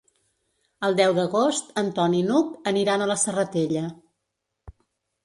El deu d'agost en Ton i n'Hug aniran a la Serratella.